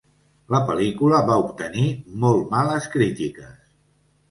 La pel·lícula va obtenir molt males crítiques.